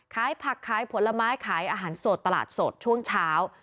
ขายผักขายผลไม้ขายอาหารสดตลาดสดช่วงเช้า